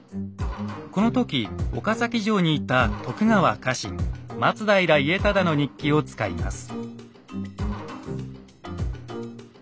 この時岡崎城にいた徳川家臣松平家忠の日記を使います。